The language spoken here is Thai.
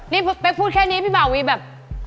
นี่เป๊กพูดแค่นี้พี่บ่าวีแบบ